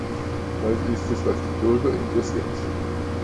Das ist es, was die Bürger interessiert.